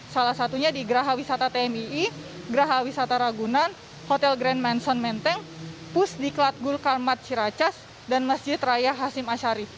salah satunya di geraha wisata tmii geraha wisata ragunan hotel grand manson menteng pusdiklat gul karmat ciracas dan masjid raya hasim asharif